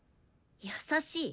優しい？